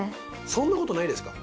そんなことないですか？